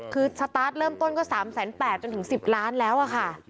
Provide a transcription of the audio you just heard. คือสตาร์ทเริ่มต้นก็๓๘๐๐จนถึง๑๐ล้านแล้วค่ะ